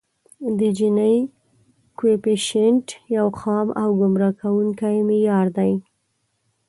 د جیني کویفیشینټ یو خام او ګمراه کوونکی معیار دی